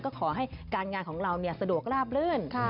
ก็ขอให้การงานของเราสะดวกราบลื่น